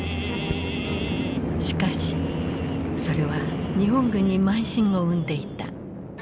しかしそれは日本軍に慢心を生んでいた。